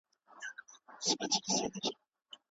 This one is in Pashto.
ما د پښتو ژبي دپاره یو نوی کلتوري مرکز پرانیستی